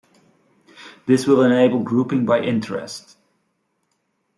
This will enable grouping by interest.